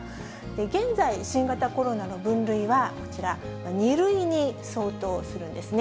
現在、新型コロナの分類はこちら、２類に相当するんですね。